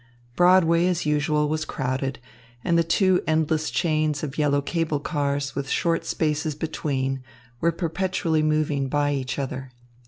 Broadway as usual was crowded, and the two endless chains of yellow cable cars with short spaces between were perpetually moving by each other.